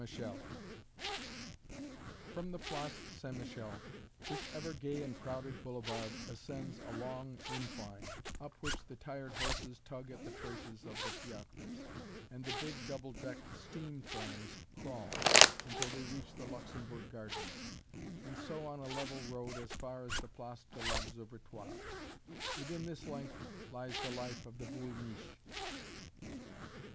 MICHEL From the Place St. Michel, this ever gay and crowded boulevard ascends a long incline, up which the tired horses tug at the traces of the fiacres, and the big double decked steam trams crawl, until they reach the Luxembourg Gardens, and so on a level road as far as the Place de l'Observatoire. Within this length lies the life of the "Boul' Miche."